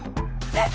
ねっ。